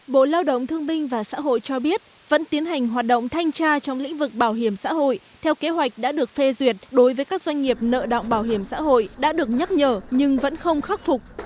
bộ lao động thương binh và xã hội cho biết vẫn tiến hành hoạt động thanh tra trong lĩnh vực bảo hiểm xã hội theo kế hoạch đã được phê duyệt đối với các doanh nghiệp nợ động bảo hiểm xã hội đã được nhắc nhở nhưng vẫn không khắc phục